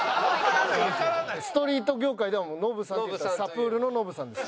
ストリート業界ではノブさんっていったらＳＡＰＥｕｒのノブさんです。